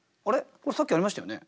これさっきありましたよね。